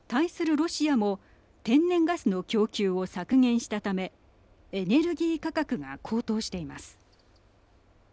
ロシアも天然ガスの供給を削減したためエネルギー価格が高騰しています。